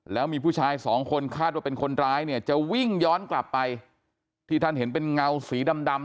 แล้วมีผู้ชายสองคนคาดว่าเป็นคนร้ายเนี่ยจะวิ่งย้อนกลับไปที่ท่านเห็นเป็นเงาสีดำดำ